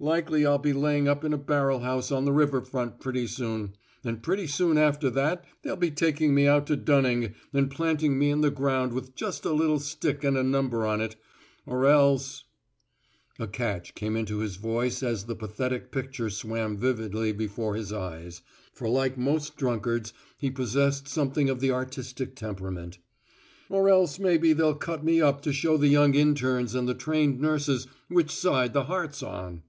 Likely I'll be laying up in a barrel house on the river front pretty soon, and pretty soon after that they'll be taking me out to Dunning and planting me in the ground with just a little stick and a number on it, or else " a catch came into his voice as the pathetic picture swam vividly before his eyes, for like most drunkards he possessed something of the artistic temperament, "or else maybe they'll cut me up to show the young internes and the trained nurses which side the heart's on."